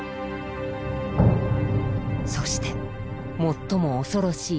そして最も恐ろしい